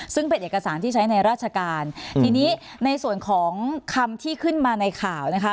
ซึ่งเป็นเอกสารที่ใช้ในราชการทีนี้ในส่วนของคำที่ขึ้นมาในข่าวนะคะ